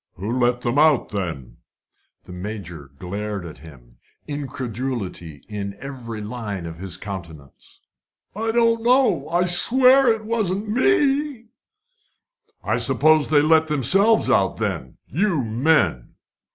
"Who let them out, then?" The Major glared at him, incredulity in every line of his countenance. "I don't know. I'll swear it wasn't me!" "I suppose they let themselves out, then. You men!"